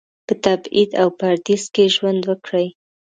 په تبعید او پردیس کې ژوند وکړي.